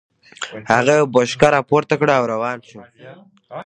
هغه يوه بوشکه را پورته کړه او روان شو.